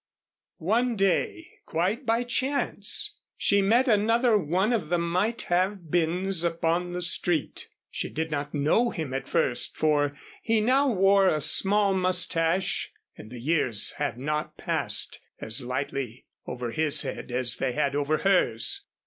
One day, quite by chance, she met another one of the might have beens upon the street. She did not know him at first, for he now wore a small moustache and the years had not passed as lightly over his head as they had over hers.